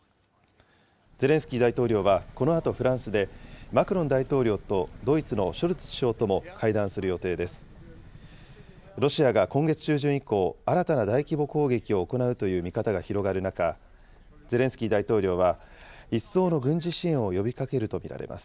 ゼレンスキー大統領はこのあとフランスで、マクロン大統領とドイツのショルツ首相とも会談する予定です。